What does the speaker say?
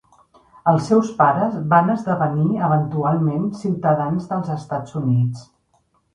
Els seus pares van esdevenir eventualment ciutadans dels Estats Units.